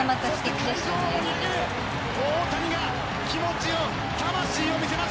大谷が気持ちを魂を見せました！